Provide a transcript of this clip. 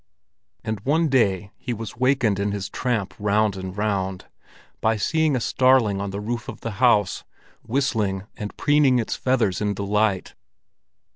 And one day he was wakened in his tramp round and round by seeing a starling on the roof of the house, whistling and preening its feathers in delight.